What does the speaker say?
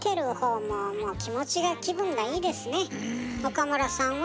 岡村さんは？